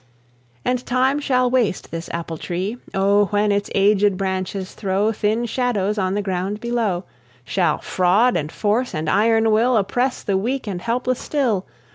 And time shall waste this apple tree. Oh, when its aged branches throw Thin shadows on the ground below, Shall fraud and force and iron will Oppress the weak and helpless still!